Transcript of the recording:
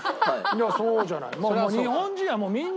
いやそうじゃない。